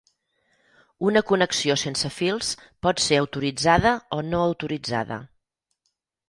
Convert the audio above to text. Una connexió sense fils pot ser autoritzada o no autoritzada.